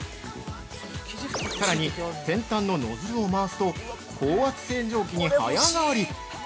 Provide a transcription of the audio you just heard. さらに、先端のノズルを回すと高圧洗浄機に早変わり。